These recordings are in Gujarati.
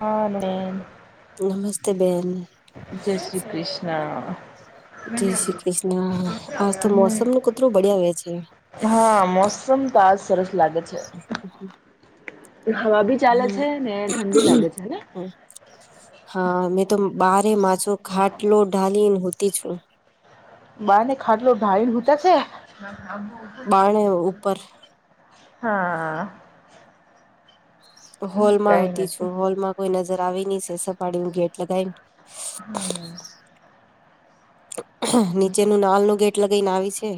હ ન. નમસ્તે બેન. જય શ્રી કૃષ્ણ. જય હમ શ્રી કૃષ્ણ, આજ તો મોસમ ને કતરૂ બળયા વે છે. હા મોસમ ત આજ સરસ લાગે છે, હવા ભી ચાલે હમ છે ને ઠંડુ લાગે છેને? હા મેં તો બારે માછો ઘાટલો ડાળીને હુંતી છું. બાર ને ખાટલો ઢાાયણતા છે. બારણે ઉપર હા. હોલમાં કઈ આવતી નથી છું, હોલ માં કોઈ નજર આવી નઈ છે સપાડી નું ગેટ લગાવીને. હમ્મ. નીચેનું નાલ નું ગેટ લગાવને આવી છે,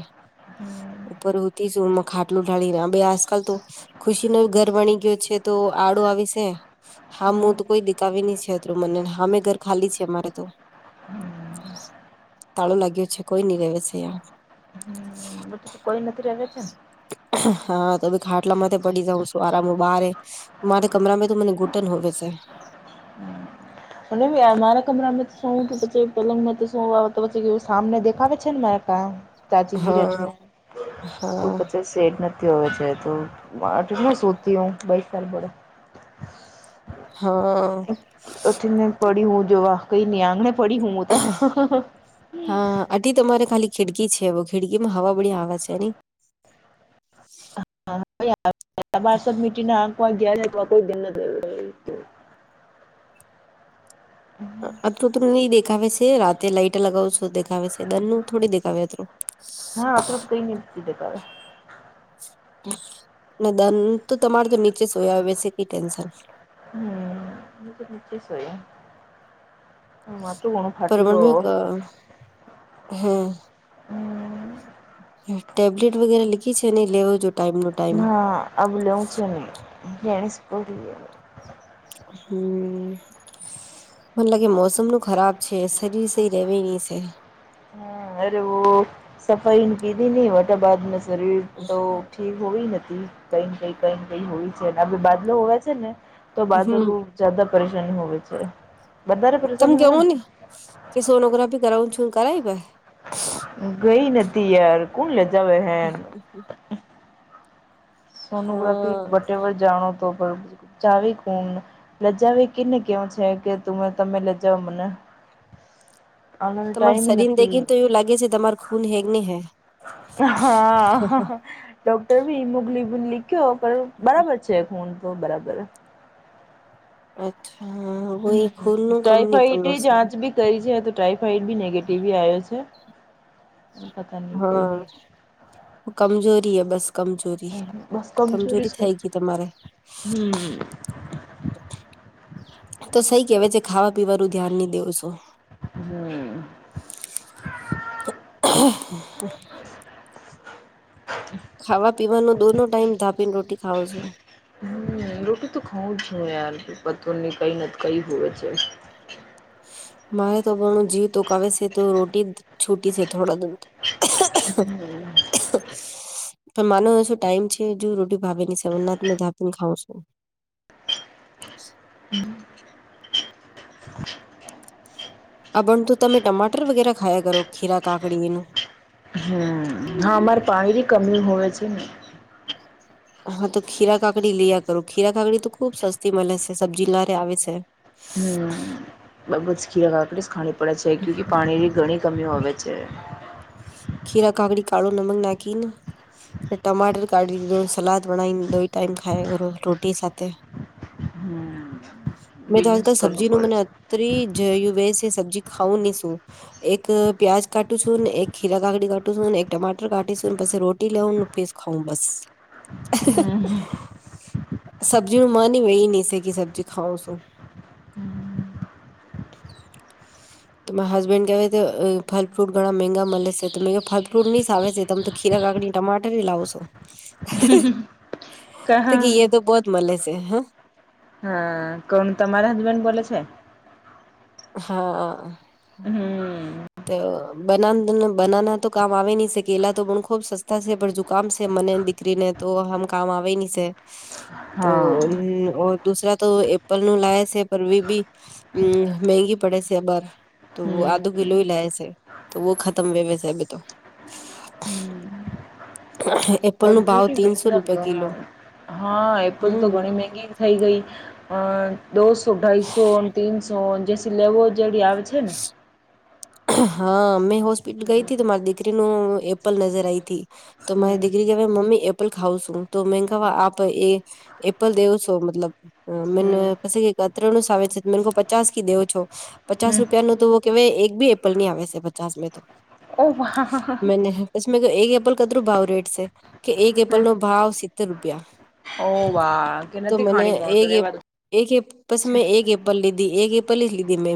ઉપર ઉતીશું માં ખાટ આટલું ઢળીને બે આજકાલ તો ખુશી નો ઘર બણી ગયો છે તો આડો આવીશે હા હું તો કોઈ દીકાવી નહી છે, અત્રું મનને હા મેં ઘર ખાલી છે અમારે તો. હમ. તાળું લાગ્યું છે, કોઈ નઈ રહે સે ઇયા. બધું તો કોઈ નથી રહે છે હા તો ખાટલા પડી જઉં છું આરામ બારે. મારે કમરામાં તો મને ઘૂંટન હોવે છે. મ મારા કમરામાં શું હતું પછી પલંગ માં શું આવે તો પછી સામને દેખાવે છે ને મારે ક. તાચીજી હા રટને તું હા પચસ. સેટ નથી હોવે છે તો આટલુ સુધતી હ બઇ સા લ ભડે. હા. પછી પડી હું જોવા કઈ ની આંગણે પડી હું ત. હા આટી તમારે ખાલી ખિડકી છે ખીડકી માં હવા બળી આવે છે. મીટી આ કોઈ ગે કોઈ દિન નથી. એ તો. અત્રું તો નહી દેખાવે છે રાતે લાઈટ લગાવું છું દેખાવે છે દન નું થોડી દેખાવે અત્રું. હા અત્રુ ત કઈ નિની દેખાવ. દન તો તમારે તો નીચે સોયા આવે વસે કઈ ટેન્શન. હમ નીચે શ હોય, હ માંતું ધણું ફાટી રહ. હા. હા. હમ ટેબલેટ વગેરે લીખી છે ને લેવો જો ટાઈમ નો. ટાઈમ હા આબું લેવું છે નહી લેણીસ પડી. હમ મને લાગે મોસમ નું ખરાબ છે. કે સરીર સઇ રેવીની છે. હા અરે વો સફાઈ કીધી નને વટા બાદમાં શરીર તો. ઠીક હોવી નથી કઈને કઈ કઈ કઈ હોવી છે એના બાદલો હોવે છે ને. તો હમ બાદલુ જાદા પરેશાની હોવે છે. વધારે તમ પરેશાની હોવે કેવો ને કે સોનોગ્રાફી કરાવું છું કરાવી પઈ. ગઈ નથી યાર કોણ લેજાવ હે. સોનુગ્રાફી હા ભટેવર જાણો તો પણ જાવે કુણ. લજાવ કેને કેવ છે કે ત તમે લેજાઓ મને. આવાનો તમાર ટાઈમ ઈ શરીર ને નથી દેખીને તો એવું લાગે છે તમારે ખૂન હેગ ને હૈ. હા હ. ડોક્ટર બી હિમોગલીન લીખયો કયો પણ બરાબર છે ખૂન તો બરાબર. અચ્છા. વોઈ હમ ખૂન નું કમ ની પડનું ટાઈફાઈડ છે જાચ બી. કરી જ તો ટાઈફોઇડ બી નેગેટિવ આવ્યો છે. એ પતા ન કોઈ નહી. હા કમજોરી એ બસ કમજોરી બસ કમજોરી છે થઈ ગઈ તમારે. હમ. તો સઈ કેવાય છે ખાવા પીવાનું ધ્યાન નહી દેવ છો. હમ. તો. [inaudible] ખાવા પીવાનો દોનો ટાઈમ ધાપીને રોટી ખાવ છો. હમ રોટી તો ખઉું જ નઈ યાર પતર ની કઈ કઈ હોય છે. મારે તો બણ જીવ તોકાવે છે તો રોટી છૂટી છે થોડા દ. હ. પણ માનો શું ટાઈમ છે જો રોટી ભાવે સવરનાથ મે ધાપેને ખાવઉ છું. હમ. આ બણ તું તમે ટમાટર વગેરે ખાયા કરો ખીરા કાકડીનું. હમ હા અમાર પાણી કમી હોય છે ને. હા તો ખીરા કાકડી લયા કરો ખીરા કાકડી તો ખુબ સસ્તી મળે છે સબ્જી લારે આવે છે. હમ જ બરબ ખીરા કાકડી જ ખાણી પડે છે ક્યુ કે પાણીની ગણી. કમી હોવે છે. ખીરા કાકડી કાઢો નમક નેનાખી ને. ટમાટર કાઢી દીધો સલાદ બનાવીને દો ટાઈમ ખાયકરો રોટી સાથે. હમ. મે તો આજ કલ સબજી ન મને. ત્રી જયુ વ સબ્જી ખાવું નહી શું એક પ્યાજ કાટું છું ને એક. ખીરા કાકડી કાું એક ટમાટર કાીશું પછ રોટી લઉ ફ ખાઉ બસ. હમ. સબ્જી નું માની વે એ નહી સે કે સબ્જી ખાવ શું. તો મારા હસબેન્ડ કહેવાય કે ફલ ફ્રૂટ ઘણાં મેગા મળે છે તો ફલ ફ્રૂટ નહીં સાવે છે. તમ તો ખીરા કાકડી ટમાટર લાવો છો ક તો હા ઘી એ તો બોધ. મળલે છે હ. હા કોણ તમારે હસબેન્ડ બોલે છે. હા. હમ બના બનાના તો કામ આવે નહી છે કેલા તો પણ ખુબ સસ્તા છે પણ જુકામ છે મને. બકરી ને તો હમ કામ આવે નની છે. તો હા. દુસરા તો એપલ ન લાયા છે પરવીબી હમ. મંંગી પડે છે અબાર તો હમ. આધું કિલો હ લાયા છે તો વ ખતમ હ વયસે અભી ત. હા એ. પણૂટી ઘ હા એપલ તો હમ ઘણી મંંગી. થઈ ગઈ દોસો અઢાઈસો તીનસો જેસી લેવો જેરી આવે. પૂ છે ને. હા મેં હોસ્પિટલ ગઈ હતી તો મારી દીકરીનું એપલ નજર આઈ હતી. તો મારી હમ દીકરી કે મમ્મી એપલ ખાવં છું તો મે કવા આપ એ. એપ્રલ દવસો મતલબ. મે હમ પછી અત્ર નું સા આવે છે મન કો પચાસ કી દેવ છો. પચાસ હમ રૂપિયા નું તો કેવાય એક બી એપલ ની આવે છે પચાસ મે તો ઓ વાહ. મેને. દમે કહ એક એપલ કદરું ભાવ રેટ છે કે એક એપલ નો ભાવ સિત્તેર રૂપિયા. ઓહ વાહ કે તો નથી મને ખાણી મળતો એક રવા. એક પસ મેં એક એપલ લીધી એક એ પલી લીધી મે.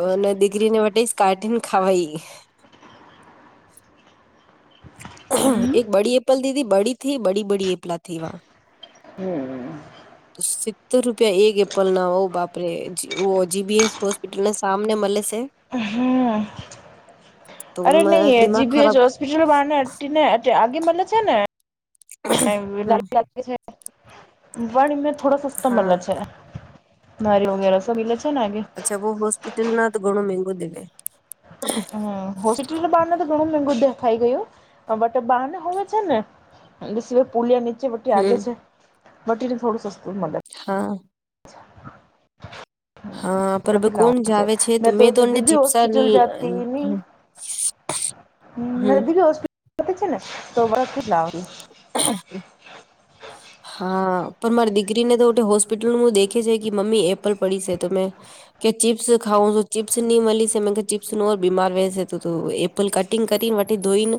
અને દીકરીને વ કાર્ટીન ખાવાઈ. હમ. એક બડી એપલ દીદી બડી થી બડી બડી એપલાથી વા. હમ સિત્તેર રૂપિયા એક એપલ ના હોઉ બાપરે જીબીએસ હોસ્પિટલને સામને મળે છે. હમ તો અરે નહી હજી દિમાગ બી ખરાબ જ. પટ બનેને આગે મળે છે ને. હમ પણમે થોડો સસ્તો હા મતલબ છે. નારી વગેરે સ ઈલેે છે ને આગે. અચ્છા બહ હોસ્પિટલ ના તો ઘણો મંગો દેવા. હોસ્પિટલ બાર ના તો ઘણું મઘું દેખાઈ ગયું બટ બાર હોવે છે ને. એ સિવાય પુલિયા નીચે બટ્ટી આગે હમ છે બટટી ને થોડું સસ્તુ મલે. હા. હા પરબ ત્યાંથી કોણ જ લાવવાનું આવે છે તો મેં તો એને જદી બી ચીપ્સા. [inaudible] હોસ્પિટલ જાતી હમ નદી બી હોસ્પિટલતી છે ને તો જ લાવ. હા. હા પણ મારી દીકરીને તો હોસ્પિટલ હ દેખે છે કે મમ્મ એપલ પડી છે તો મેં. કે ચિપ્સ ખાઓ તો ચિપ્સ નની મળલીસે મે ચિપ્સ બીમાર વસે. કટિંગ કરી વ ધોઈને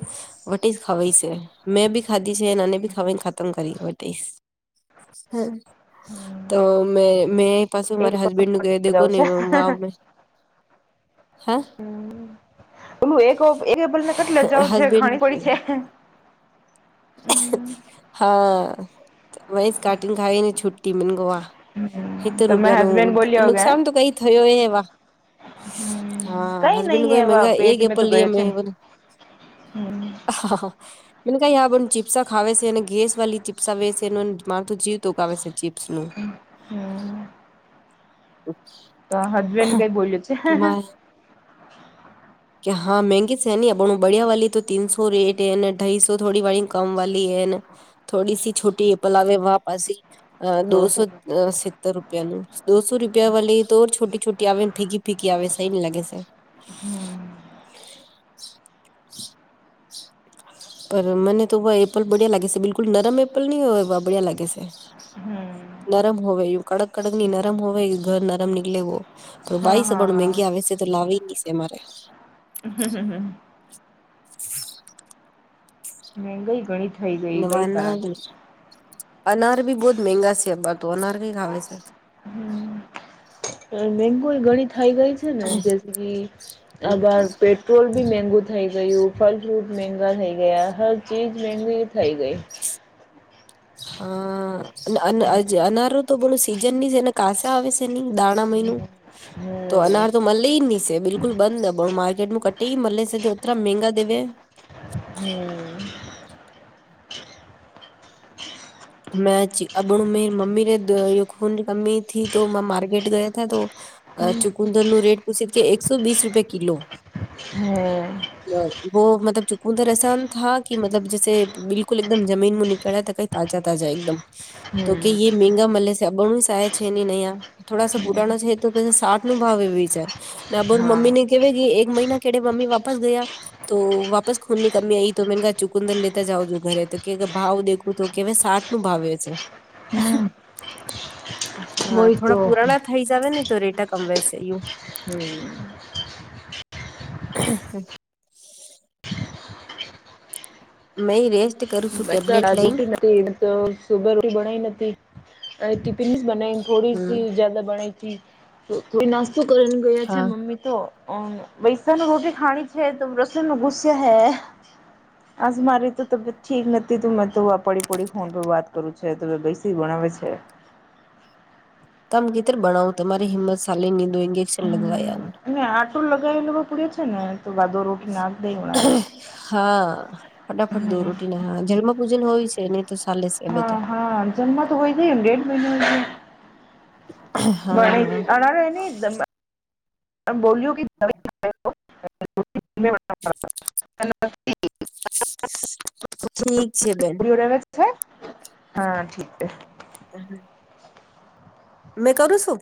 વ ખવાય છે મે બી. ખાધી છે અનેને બી ખાવાને ખતમ કરી હો. હમ તો મે મે. પાછું એક મારા હસબન્ડ નું કહી દે કો ને. હા હમ. ઓલું એકને કેટલે જાવું છે હસબેન્ડ ખાણી પડી છે. હા વહી કાર્ટન ખાઈ ને છુી મને ગોવા. સિતતેર તમે રૂપિયા હસબેન્ડ ન બોલ્યા હોગા નુકસાન તો કઈ થયું એ એવા. હા કઈ હસબેન્ડ નહી કોઈ મંગા એક એપલ લ મે. હમ. હા મને કઈ હ આણ ચીપ્સા ખાવ છે અને ગેસ વાળલી ચીપ્સા વે છે એ માર તો જીવ તોગાવે છે જીપ. હ. તો હસબેન્ડને કઈ બોલિયુ છે. [inaudible] કે હા મંગી છે અ બણ બિયા વાળી તો તીનસો રેટને અઢાઈસો થોડી વાળી. કમ વાી એને થોડી સી છોટી પલાવે વાપસી. અ દોષ દોસો હતો. અ અસી. સત્ત રૂપિયાનું દોસો રૂપિયા વાલી તોર છોટી છોટી આવેવે ફીકી ફીકી આવેવે સહી ન લાગે છે. હમ્મ. પર મને તો વા એપલ બડિયા લાગે છે બિલકુલ નરમ એપલ નહી હોય વા બડ્યા લાગે સા. હમ્મ. નરમ હોવે યું કડક કડક ન નરમ હોવે કે ઘર નરમ નિકલે વો. હા બાઇસ અબાણું હા મેંગી આવે છે તો લાવી નહી છે અમારે. હ હ હ. મંંગાઈ ગણી વા આ અનાર બી બોહત મેંગા છે તો અનાર કઈ ખાવ છે. મેગુ ઘણી થાય ગઈ છે ને જે આગાર પેટ. ગોલ્ડ બી મેંગું થઈ ગયું. ફલ ફ્રૂટ મેંગા થઈ ગયા હર ચીજ મેંઘી થઈ ગઈ. હા અને અન અનારો તો બોલું સીઝન ની છે ને કાસા આવે છે. ન દાણા મહિનું તો હમ અનાર તો મલે ની છે બિલકુલ. બિલકુલ બંધ અબાણું માર્કેટ નું કટે મળલે છે અતરા મેંગા દેવે. હમ્મ. મેં અબણું મે મમ્મી ને ખૂનની કમી થી તો માર્કેટ ગયા હતા તો. અ ચુકુંદર નું રેટ પૂછી કે એકસો વીસ રૂપિયા કિલો. હમ્મ. વ મતલબ ચુકુંધર અ સાન થા કે મતલબ જસે બિલકુલ એકદમ જમીનમાં નિકળ્યા ત કઈ તાજા. તાજા એકદમ તો કે હમ મેંગા મલે છે અબાણું સ આયા છે નયા. થોડાસા પુરાણ છે તો પછી સાઠ નો ભાવ એ વિચાર. ને અબાણું હા મમ્મી ને કેવે કે એક મહિના કેડે મમ્મી વાપસ ગયા. તો વાપસ ખૂન ની કમી આઈ તો મે કહા ચુકુંદર લેતા જાઓ છો ઘરે તો કે ભાવ દેખું તો કેવે સાઠ. ભાવ છે હમ હા વોહી તો થોડા પુરાણા. થઈ જાવ નહી તો રેટા કમવેશે યુ. હમ્મ. [inaudible] મઈ રેસ્ટ. કરું છું બેચો રે ટેબ્લેટ આજ લઈ છુટ્ટી નથી ન. તો સુભ રોટી બણાય નથી અને ટિફિન્સ બનાવી થોડી હમ સી જદા બણાય હતી. તો થોઈ નાસ્તો કરી ને ગયા હા છે મમ્મી. તો વૈસા ન રોટી ખણી છે તો રસોઈ ગુસ્યા હૈ. આજ મારી તો તબિયત ઠીક નથી. તું મેં તો આ પડી પડી ફોન પર વાત કરું છે તો બેૈસા વણાવે છે. તમે ગીતર બણાવો તમારી હિંમત સાાલી ની દો ઇન્જેક્શન લગવાયા. ને આટો લગાવી લેવા પડે છે ને તો વાદો રો હા ફટાફટ દો હમ રોટી ના હા જન્મ પૂજન હોય છે ને. તો સાલે. હા હા જન્મા તો હોય જ એને દેઢ મહિના. મને હા અનોરે હેં ની. બોલ્યું કે. [unintelligible] [inaudible] ઠીક છે બેન. ઠીક હા ઠીક છે. [inaudible] મેં કરું છું.